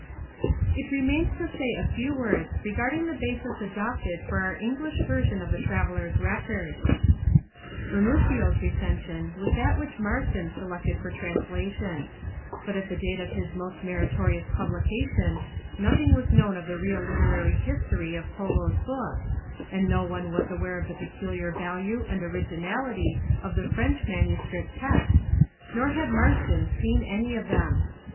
89. It remains to say a few words regarding the basis adopted for our English version of the Traveller's record. Ramusio's recension was that which Marsden selected for translation. But at the date of his most meritorious publica tion nothing was known of the real literary history of ^ r 1 1 Textfol Polo's Book, and no one was aware of the peculiar lowed by ^ Marsden value and originality of the French manuscript texts, and by ^^ r > Pauthier nor had Marsden seen any of them.